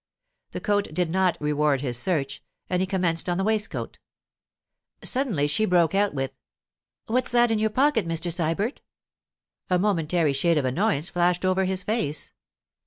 The coat did not reward his search, and he commenced on the waistcoat. Suddenly she broke out with— 'What's that in your pocket, Mr. Sybert?' A momentary shade of annoyance flashed over his face.